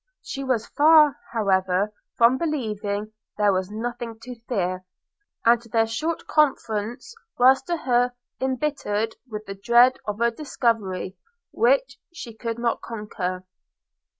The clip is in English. She was far, however, from believing there was nothing to fear; and their short conference was to her embittered with the dread of a discovery, which she could not conquer.